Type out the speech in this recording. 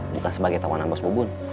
bukan sebagai tawanan bos mubun